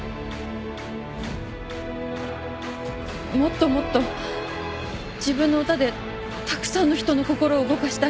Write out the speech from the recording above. もっともっと自分の歌でたくさんの人の心を動かしたい。